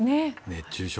熱中症